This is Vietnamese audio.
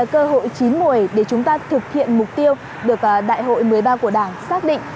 cơ hội chín mùi để chúng ta thực hiện mục tiêu được đại hội một mươi ba của đảng xác định